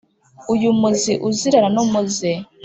uyu muzi uzirana n’umuze